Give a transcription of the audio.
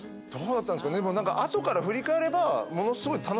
どうだったんですかね後から振り返ればものすごい。